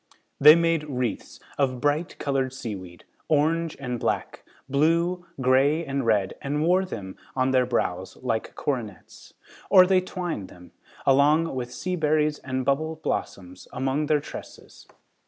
They made wreaths of bright colored seaweed, orange and black, blue, gray and red and wore them on their brows like coronets. Or, they twined them, along with sea berries and bubble blossoms, among their tresses.